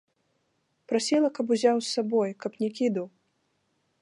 Прасіла, каб узяў з сабой, каб не кідаў.